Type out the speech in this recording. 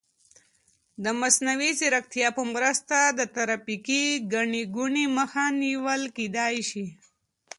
د مصنوعي ځیرکتیا په مرسته د ترافیکي ګڼې ګوڼې مخه نیول کیدای شي.